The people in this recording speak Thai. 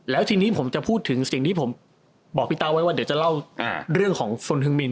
แล้วทีนี้ผมจะพูดถึงสิ่งที่ผมบอกพี่ตาไว้ว่าเดี๋ยวจะเล่าเรื่องของฟนฮึงมิน